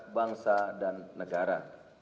bangsa dan negara